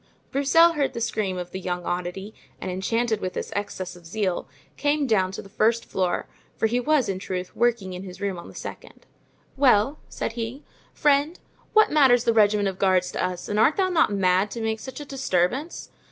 Broussel heard the scream of the young oddity, and, enchanted with this excess of zeal, came down to the first floor, for he was, in truth, working in his room on the second. "Well," said he, "friend, what matters the regiment of guards to us, and art thou not mad to make such a disturbance?